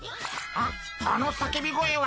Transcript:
・あっあのさけび声は！